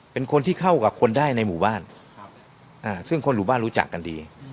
เป็นคนที่เข้ากับคนได้ในหมู่บ้านซึ่งคนหมู่บ้านรู้จักกันดี